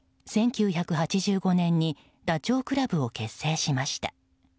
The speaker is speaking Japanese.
１９８５年にダチョウ倶楽部を結成しました。